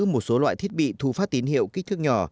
một số loại thiết bị thu phát tín hiệu kích thước nhỏ